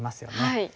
はい。